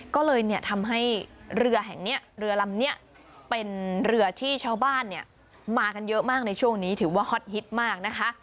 ก็เลยทำให้เรือแห่งนี้เรือลำนี้เป็นเรือที่ชาวบ้านมากันเยอะมากในช่วงนี้ถือว่าฮอตฮิตมากนะคะ